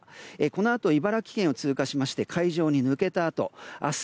このあと茨城県を通過して海上に抜けたあと明日